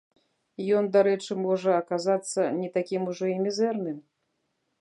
Ён, дарэчы, можа, аказацца не такім ужо і мізэрным.